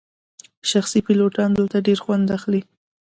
شخصي پیلوټان دلته ډیر خوند اخلي